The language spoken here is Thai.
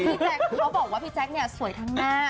พี่แจ๊กก็บอกว่าพี่แจ๊กเนี่ยสวยทางหน้า